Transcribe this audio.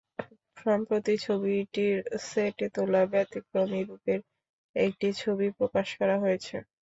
সম্প্রতি ছবিটির সেটে তোলা ব্যতিক্রমী রূপের একটি ছবি প্রকাশ করা হয়েছে।